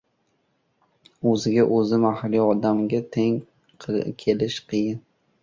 O‘ziga-o‘zi mahliyo odamga teng kelish qiyin.